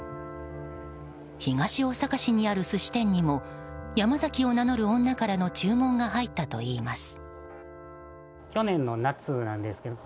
東大阪市にある寿司店にもヤマザキを名乗る女からの注文が入ったといいます。